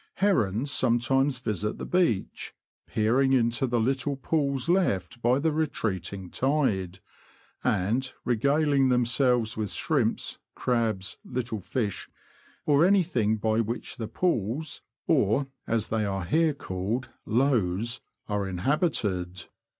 Herons sometimes visit the beach, peer ing into the little pools left by the retreating tide, and regaling themselves with shrimps, crabs, little fish, or anything by which the pools (or, as they are here called, ''lows") are inhabited.